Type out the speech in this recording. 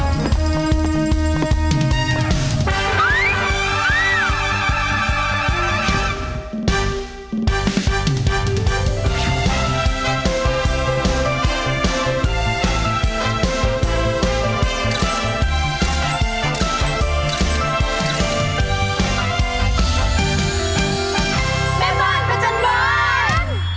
แม่บ้านประจันบาล